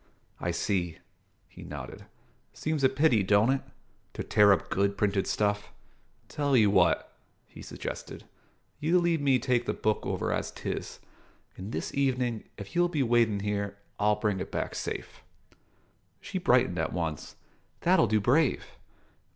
"I see." He nodded. "Seems a pity don't it? to tear up good printed stuff. Tell 'ee what," he suggested: "you leave me take the book over as 'tis, and this evenin', if you'll be waitin' here, I'll bring it back safe." She brightened at once. "That'll do brave.